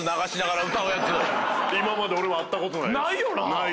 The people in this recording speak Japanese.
今まで俺も会ったことないです。